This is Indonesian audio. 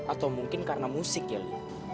atau mungkin karena musik ya li